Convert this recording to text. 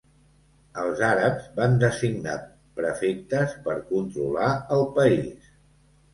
Els àrabs van designar prefectes per controlar el país.